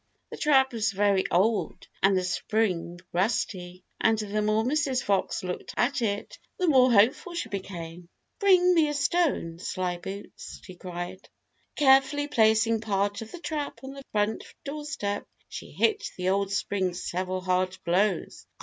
The trap was very old and the spring rusty, and the more Mrs. Fox looked at it the more hopeful she became. "Bring me a stone, Slyboots," she cried. Carefully placing part of the trap on the front doorstep, she hit the old spring several hard blows.